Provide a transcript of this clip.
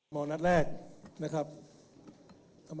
นัดแรกนะครับ